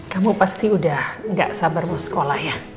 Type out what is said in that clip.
kamu pasti udah gak sabar mau sekolah ya